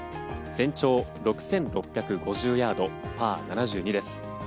全長６６５０ヤードパー７２です。